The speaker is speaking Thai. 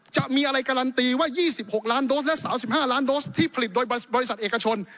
จะมีอะไรการันตีว่า๒๖ล้านโดสและ๓๕ล้านโดสที่ผลิตโดยบริษัทเอกชน